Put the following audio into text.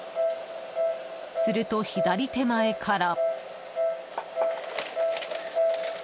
すると左手前から。